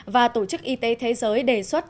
và tổ chức y tế thế giới đề xuất